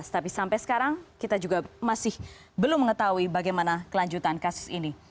tapi sampai sekarang kita juga masih belum mengetahui bagaimana kelanjutan kasus ini